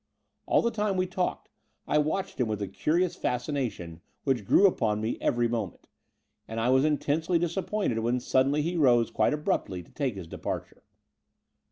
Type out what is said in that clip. All the time we talked I watched him with a curious fascination which grew upon me every moment; and I was intensely dis appointed when suddenly he rose quite abruptly to take his departure.